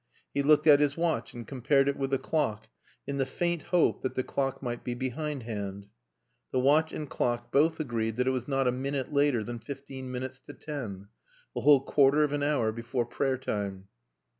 He looked at his watch and compared it with the clock in the faint hope that the clock might be behindhand. The watch and clock both agreed that it was not a minute later than fifteen minutes to ten. A whole quarter of an hour before Prayer time.